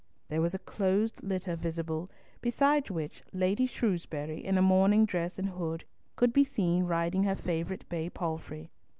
There was a closed litter visible, beside which Lady Shrewsbury, in a mourning dress and hood, could be seen riding her favourite bay palfrey.